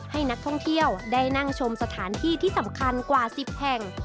ให้นักท่องเที่ยวได้นั่งชมสถานที่ที่สำคัญกว่า๑๐แห่ง